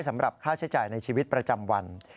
สำหรับค่าใช้จ่ายในชีวิตประจำวัน